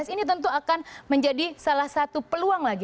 ini tentu akan menjadi salah satu peluang lagi